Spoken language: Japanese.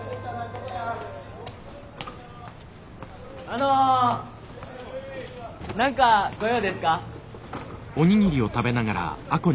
あの何か御用ですか？